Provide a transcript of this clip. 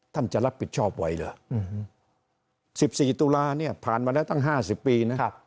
ท่านจะรับผิดชอบไว้เหรอ๑๔ตุลาฯผ่านมาแล้วตั้ง๕๐ปี